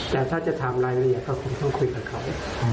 แต่ถ้าจะทำรายละเอียดก็คงต้องคุยกับเขา